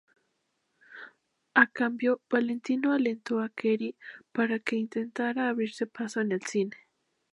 A cambio, Valentino alentó a Kerry para que intentara abrirse paso en el cine.